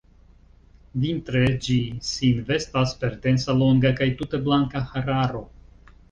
Vintre ĝi sin vestas per densa, longa kaj tute blanka hararo.